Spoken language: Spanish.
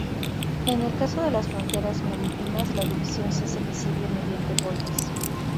En el caso de las fronteras marítimas, la división se hace visible mediante boyas.